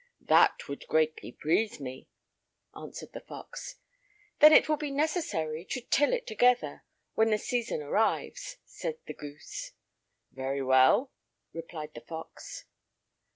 "That would greatly please me," answered the fox. "Then it will be necessary to till it together when the season arrives," said the goose. "Very well," replied the fox.